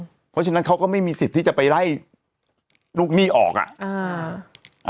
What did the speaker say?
เพราะฉะนั้นเขาก็ไม่มีสิทธิ์ที่จะไปไล่ลูกหนี้ออกอ่ะอ่า